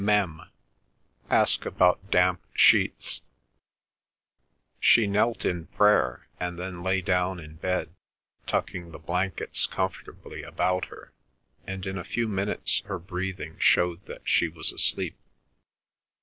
Mem.: ask about damp sheets." She knelt in prayer, and then lay down in bed, tucking the blankets comfortably about her, and in a few minutes her breathing showed that she was asleep.